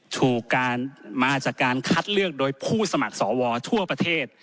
ถูกการมาจากการคัดเลือกโดยผู้สมัครสวทั่วประเทศ